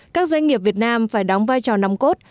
các doanh nghiệp việt nam phải đóng vai trò nòng cốt